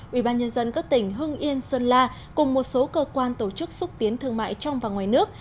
ubnd các tỉnh hưng yên sơn la cùng một số cơ quan tổ chức xúc tiến thương mại trong và ngoài nước